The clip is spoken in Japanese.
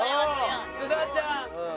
須田ちゃん。